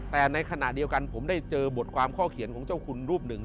แต่ในขณะเดียวกันผมได้เจอบทความข้อเขียนของเจ้าคุณรูปหนึ่ง